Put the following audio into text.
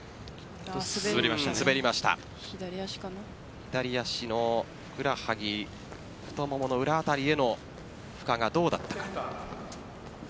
左足のふくらはぎ太ももの裏あたりへの負荷がどうだったか。